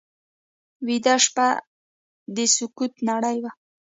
ویده شپه د سکوت نړۍ وي